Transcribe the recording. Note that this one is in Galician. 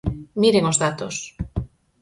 Miren os datos.